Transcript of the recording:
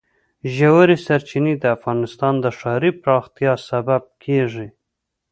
ژورې سرچینې د افغانستان د ښاري پراختیا سبب کېږي.